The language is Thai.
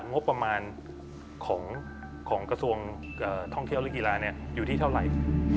งบประมาณของกระทรวงท่องเที่ยวและกีฬาอยู่ที่เท่าไหร่